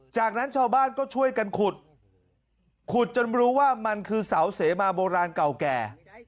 จากนั้นชาวบ้านก็ช่วยกันขุดขุดจนรู้ว่ามันคือเสาเสมาโบราณเก่าแก่